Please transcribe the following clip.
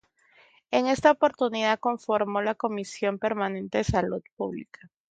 En esta oportunidad conformó la comisión permanente de Salud Pública.